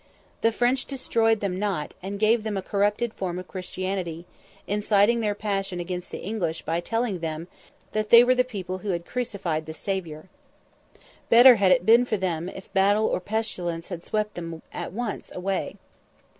The French destroyed them not, and gave them a corrupted form of Christianity, inciting their passions against the English by telling them that they were the people who had crucified the Saviour. Better had it been for them if battle or pestilence had swept them at once away.